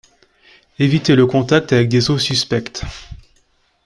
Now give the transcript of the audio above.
Éviter le contact avec des eaux suspectes.